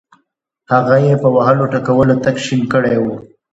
هغه یې په وهلو ټکولو تک شین کړی وو.